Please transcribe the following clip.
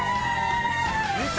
見た。